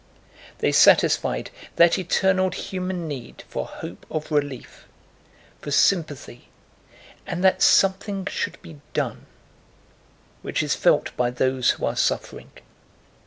They satisfied that eternal human need for hope of relief, for sympathy, and that something should be done, which is felt by those who are suffering.